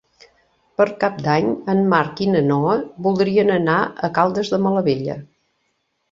Per Cap d'Any en Marc i na Noa voldrien anar a Caldes de Malavella.